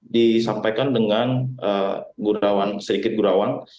disampaikan dengan gurawan sedikit gurawan